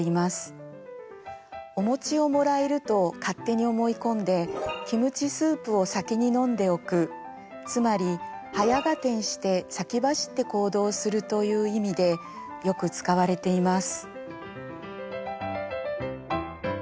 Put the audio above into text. おもちをもらえると勝手に思い込んでキムチスープを先に飲んでおくつまり早合点して先走って行動するという意味でよく使われています。